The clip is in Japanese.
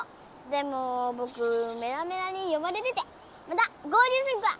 でもぼくメラメラによばれててまた合りゅうするから。